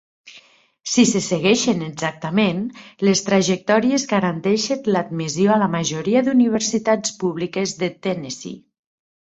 Si se segueixen exactament, les trajectòries garanteixen l'admissió a la majoria d'universitats públiques de Tennessee.